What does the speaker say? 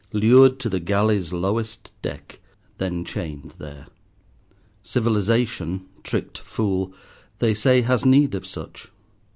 Lured to the galley's lowest deck, then chained there. Civilization, tricked fool, they say has need of such.